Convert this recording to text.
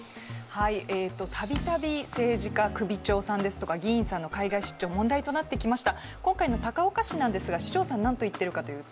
度々、政治家、首長さんですとか議員さんの海外出張が問題になってきました。